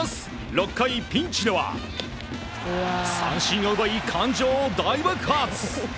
６回、ピンチでは三振を奪い感情を大爆発！